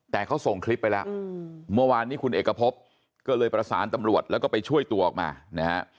แต่เขาส่งคลิปไปแล้วเมื่อวานนี้คุณเอกพบก็เลยประสานตำรวจแล้วก็ไปช่วยตัวออกมานะฮะ